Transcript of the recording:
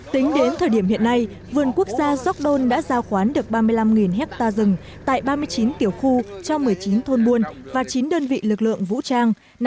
tính đến thời điểm hiện nay vườn quốc gia gióc đôn đã giao khoán được ba mươi năm hectare rừng tại ba mươi chín tiểu khu cho một mươi chín thôn buôn và chín đơn vị lực lượng vũ trang